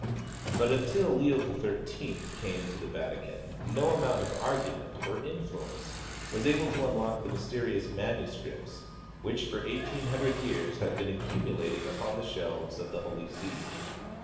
But until Leo XIII came to the Vatican no amount of argument or influence Avas able to unlock the mysterious manuscrii3ts, which for eighteen hundred years have been accumulating upon the shelves of the Holy See.